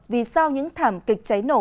vì sao những thảm kịch cháy nổ